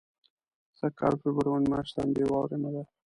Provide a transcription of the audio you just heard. سږ کال فبرورۍ میاشت هم بې واورو نه ده.